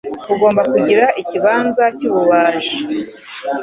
Ugomba kugira ikibanza cyububaji.